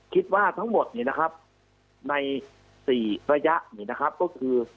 คิดว่าทั้งหมดนี้นะครับใน๔ระยะนี้นะครับก็คือ